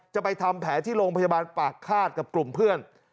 จะไปทำแผลที่โรงพยาบาลปากฆาตกับกลุ่มเพื่อน